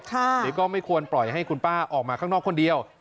หรือไม่ก็ไม่ควรปล่อยให้คุณป้าออกมาข้างนอกคนเดียว